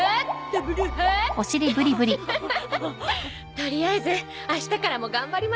とりあえず明日からも頑張りましょう。